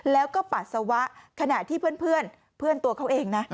แล้วก็ปัสสาวะขณะที่เพื่อนเพื่อนตัวเขาเองนะ